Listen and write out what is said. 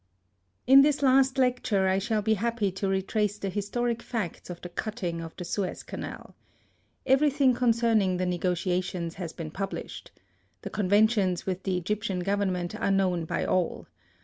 In this last lecture I shall be happy to retrace the historic facts of the cutting of the Suez Canal. Everything concerning the negotiations has been published. The con ventions with the Egyptian Government are known by all.